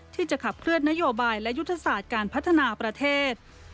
ที่จะขับเคลื่อนนโยบายและยุทธศาสตร์การพัฒนาประเทศ